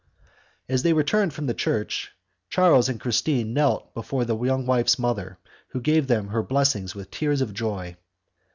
As they returned from the church, Charles and Christine knelt down before the young wife's mother, who gave them her blessing with tears of joy.